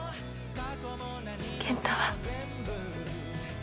健太は？